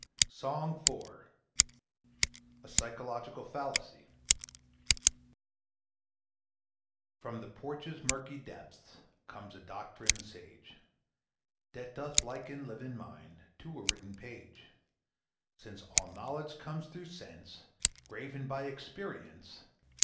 SONG IV. A PSYCHOLOGICAL FALLACY.[R] From the Porch's murky depths Comes a doctrine sage, That doth liken living mind To a written page; Since all knowledge comes through Sense, Graven by Experience.